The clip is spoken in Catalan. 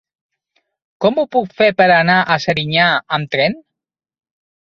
Com ho puc fer per anar a Serinyà amb tren?